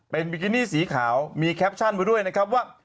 เป็นบิกินี่สีขาวมีแคปชั่นไว้ด้วยนะครับว่า